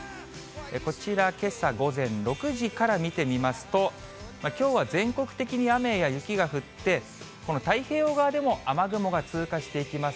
こちら、けさ午前６時から見てみますと、きょうは全国的に雨や雪が降って、この太平洋側でも雨雲が通過していきます。